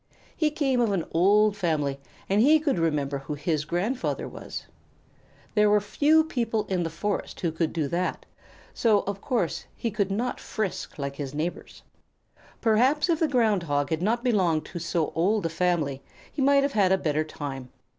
He came of an old family and he could remember who his grandfather was. There were but few people in the forest who could do that; so, of course, he could not frisk like his neighbors. Perhaps if the Ground Hog had not belonged to so old a family, he might have had a better time.